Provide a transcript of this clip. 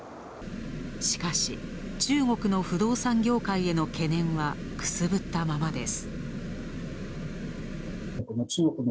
しかし中国の不動産業界の懸念はくすぶったままです。